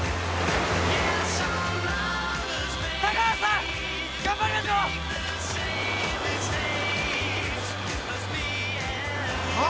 高原さん頑張りましょう！あっ！？